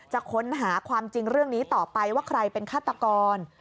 จะค้นหาความจริงเรื่องนี้ต่อไปว่าใครเป็นฆาตกร